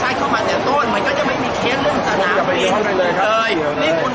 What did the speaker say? อาหรับเชี่ยวจามันไม่มีควรหยุด